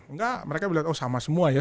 enggak mereka bilang oh sama sama ya